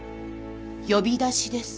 呼び出しです。